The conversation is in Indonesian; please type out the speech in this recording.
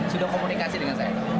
sudah komunikasi dengan saya